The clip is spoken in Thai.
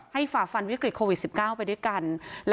ให้ฝ่าฟันเรื่องวิคฤตโควิด๑๙ไปด้วยกัน